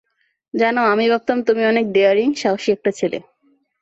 জানো, আমি ভাবতাম, তুমি অনেক ডেয়ারিং, সাহসী একটা ছেলে।